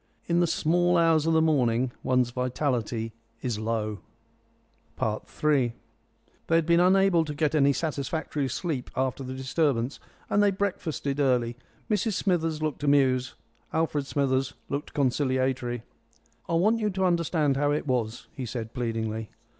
In the small hours of the morning one's vitality is low. III They had been unable to get any satisfactory sleep after the disturbance, and they breakfasted early. Mrs Smithers looked amused; Alfred Smithers looked conciliatory. "I want you to understand how it was," he said pleadingly.